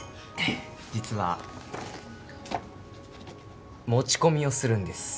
実は持ち込みをするんですえっ？